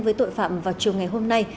với tội phạm vào trường ngày hôm nay